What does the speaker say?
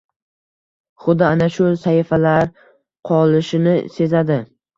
xuddi ana shu sahifalar qolishini sezadi